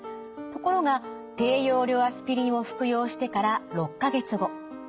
ところが低用量アスピリンを服用してから６か月後。